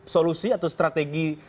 solusi atau strategi